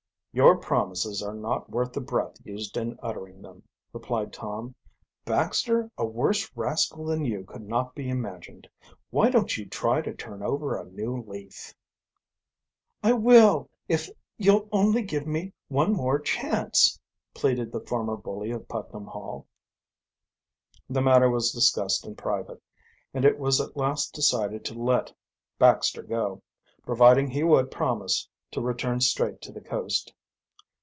"Your promises are not worth the breath used in uttering them," replied Tom. "Baxter, a worse rascal than you could not be imagined. Why don't you try to turn over a new leaf?" "I will if you'll only give me one more chance," pleaded the former bully of Putnam Hall. The matter was discussed in private and it was at last decided to let Baxter go, providing he would, promise to return straight to the coast.